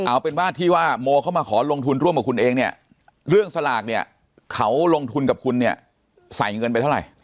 เอาเป็นว่าที่ว่าโมเข้ามาขอลงทุนร่วมกับคุณเองเนี่ยเรื่องสลากเนี่ยเขาลงทุนกับคุณเนี่ยใส่เงินไปเท่าไหร่